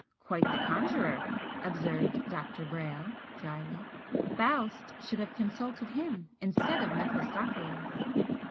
"Quite the conjurer!" observed Dr. Brayle, drily "Faust should have consulted him instead of Mephistopheles!"